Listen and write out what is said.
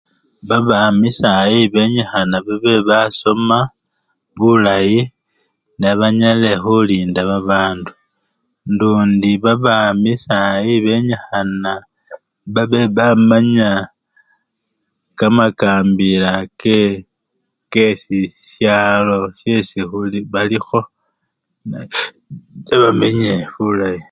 Babami sayi benyikhana babe basoma bulayi nebanyale khulinda babandu lundi babami sayi benyikhana babe bamanya kamakambila ke! kesishalo syesi khu! balikho ne! hi! nebamenye bulayi.